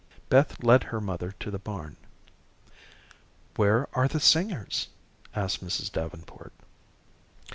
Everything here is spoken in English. Beth led her mother to the barn. "Where are the singers?" asked Mrs. Davenport.